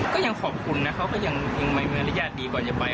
ก็ยังขอบคุณนะเขาก็ยังไม่มีมารยาทดีก่อนจะไป